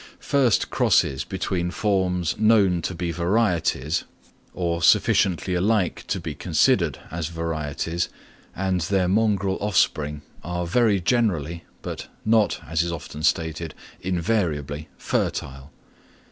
First crosses between forms known to be varieties, or sufficiently alike to be considered as varieties, and their mongrel offspring, are very generally, but not, as is so often stated, invariably fertile.